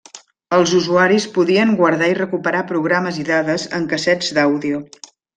Els usuaris podien guardar i recuperar programes i dades en cassets d'àudio.